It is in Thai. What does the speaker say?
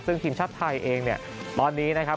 ซึ่งทีมชาติไทยเองเนี่ยตอนนี้นะครับ